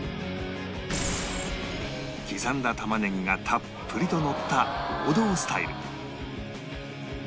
刻んだ玉ねぎがたっぷりとのった王道スタイル